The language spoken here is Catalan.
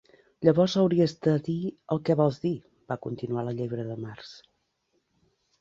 "Llavors hauries de dir el que vols dir", va continuar la Llebre de Març.